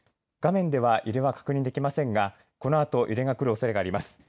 画面では揺れが確認できませんがこのあと揺れがおそれがあります。